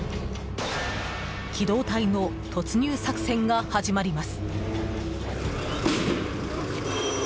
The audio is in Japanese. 機動隊の突入作戦が始まります。